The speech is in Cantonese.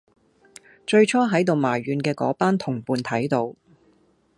最初喺度埋怨嘅嗰班同伴睇到